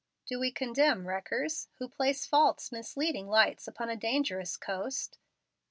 Do we condemn wreckers, who place false, misleading lights upon a dangerous coast?